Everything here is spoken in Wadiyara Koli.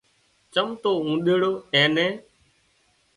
چم تو اوۮيڙو اين نين